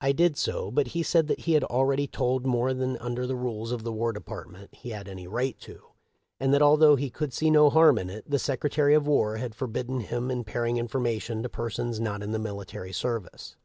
I did so, but he said that he had already told more than under the rules of the War Depart ment he had any right to, and that, although he could see no harm in it, the Secretary of War had forbidden his imparting information to persons not in the mili tary service.